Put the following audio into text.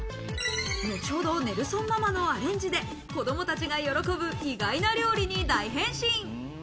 後ほど、ネルソンママのアレンジで子供たちが喜ぶ意外な料理に大変身。